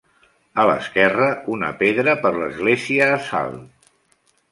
A l'esquerra una pedra per l'església a Sal.